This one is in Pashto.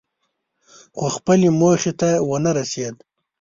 خو خپلې موخې ته ونه رسېد.